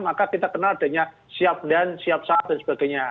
maka kita kenal adanya siap dan siap siap dan sebagainya